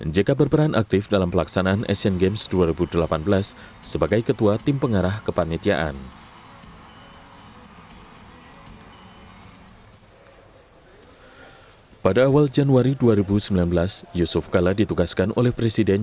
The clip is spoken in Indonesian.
jk berperan aktif dalam pelaksanaan asian games dua ribu delapan belas sebagai ketua tim pengarah kepanitiaan